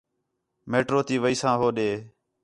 میٹرو تی ویساں ہو ݙے